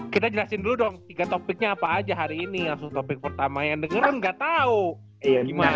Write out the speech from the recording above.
kita jelasin dulu dong tiga topiknya apa aja hari ini langsung ke topik pertama yang dengeran nggak tau gimana sih lu